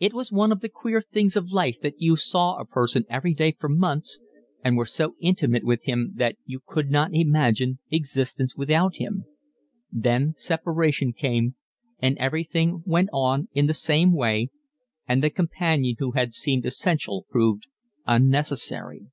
It was one of the queer things of life that you saw a person every day for months and were so intimate with him that you could not imagine existence without him; then separation came, and everything went on in the same way, and the companion who had seemed essential proved unnecessary.